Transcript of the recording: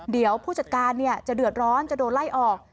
เดี๋ยวผู้จัดการจะเดือดร้อนจะโดนไล่ออก